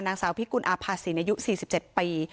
นางสาวพิกุลอาภาษีอายุ๔๗ปี